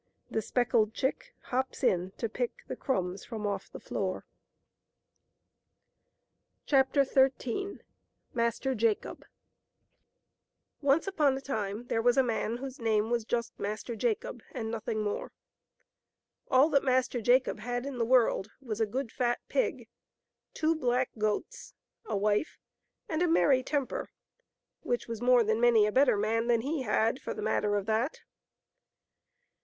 The speckled Chick Hops in, to pick The Crumbs from ofF the /7ajir. Vi'ftties\^^v' /J R.P. XIII. NCE upon a time there was a man whose name was just Master Jacob and nothing more. All that Master Jacob had in the world was a good fat pig, two black goats, a wife, and a merry temper — which was more than many a better man than he had, for the matter of that.